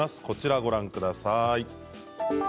こちらをご覧ください。